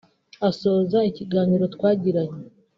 Asoza ikiganiro twagiranye